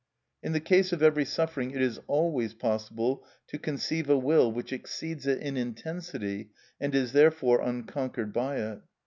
In the case of every suffering, it is always possible to conceive a will which exceeds it in intensity and is therefore unconquered by it.